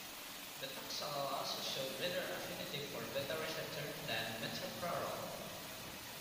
Betaxolol also shows greater affininty for beta receptors than metoprolol.